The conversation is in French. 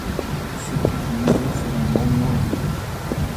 Ceux qui vous liront seront grandement étonnés.